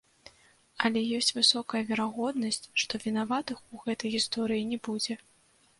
Але ёсць высокая верагоднасць, што вінаватых у гэтай гісторыі не будзе.